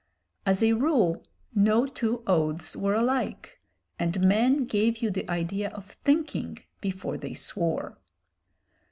As a rule no two oaths were alike, and men gave you the idea of thinking before they swore.